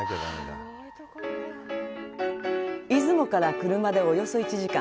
出雲から車でおよそ１時間。